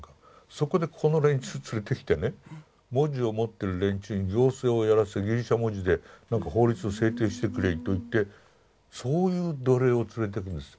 そこでこの連中連れてきてね文字を持ってる連中に行政をやらせてギリシャ文字でなんか法律を制定してくれといってそういう奴隷を連れていくんです。